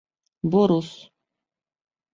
Борос